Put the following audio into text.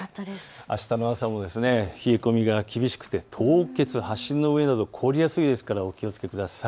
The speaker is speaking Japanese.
あしたの朝も冷え込みが厳しくて凍結、橋の上など凍りやすいですからお気をつけください。